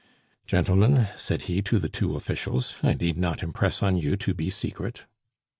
"Gentlemen," said he to the two officials, "I need not impress on you to be secret."